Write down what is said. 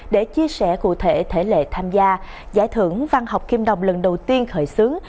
để chia sẻ cụ thể thể lệ tham gia giải thưởng văn học kim đồng lần đầu tiên khởi xướng